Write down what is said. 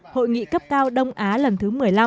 hội nghị cấp cao đông á lần thứ một mươi năm